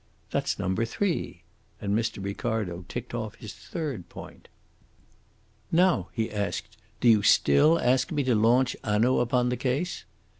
That's number three." And Mr. Ricardo ticked off his third point. "Now," he asked, "do you still ask me to launch Hanaud upon the case?"